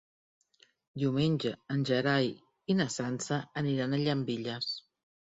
Diumenge en Gerai i na Sança aniran a Llambilles.